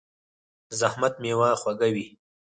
د زحمت میوه خوږه وي.